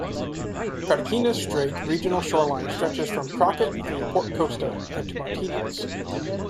Carquinez Strait Regional Shoreline stretches from Crockett through Port Costa and to Martinez.